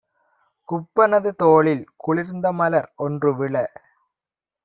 குப்பனது தோளில் குளிர்ந்தமலர் ஒன்றுவிழ